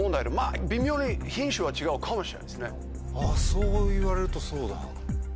そういわれるとそうだな。